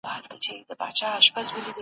ايا سياستوال د علمي اصولو پابند دي؟